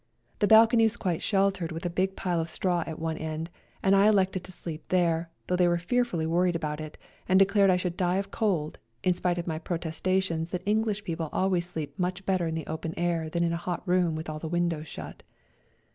The balcony was quite sheltered with a big pile of straw at one end, and I elected to sleep there, though they were fearfully worried about it, and declared I should die of cold, in spite of my protestations that English people always sleep much better in the open air than in a hot room with all the windows shut.